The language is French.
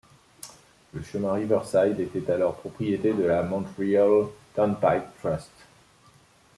Le Chemin Riverside était alors propriété de la Montreal Turnpike Trust.